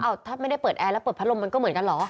ถ้าไม่ได้เปิดแอร์แล้วเปิดพัดลมมันก็เหมือนกันเหรอ